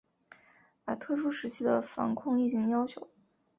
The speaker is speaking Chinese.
把特殊时期的防控疫情要求